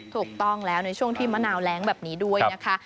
ถูกต้องแล้วในช่วงที่มะนาวแรงแบบนี้ด้วยนะคะ